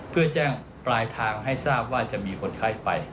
เพื่อแจ้งปลายทางให้ทราบว่าจะมีคนไข้ไป